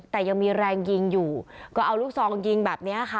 แต่ยังมีแรงยิงอยู่ก็เอาลูกซองยิงแบบนี้ค่ะ